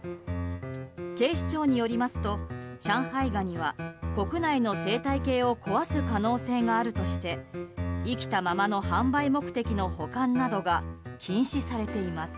警視庁によりますと上海ガニは国内の生態系を壊す可能性があるとして生きたままの販売目的の保管などが禁止されています。